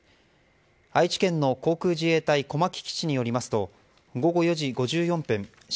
愛知県の航空自衛隊小牧基地によりますと午後４時５４分